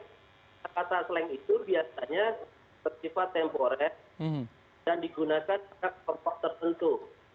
kata kata slang itu biasanya bersifat temporer dan digunakan pada kelompok tertentu